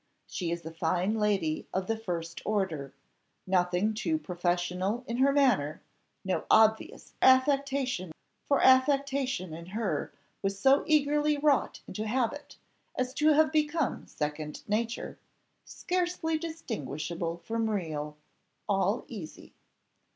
She is a fine lady of the first order; nothing too professional in her manner no obvious affectation, for affectation in her was so early wrought into habit as to have become second nature, scarcely distinguishable from real all easy."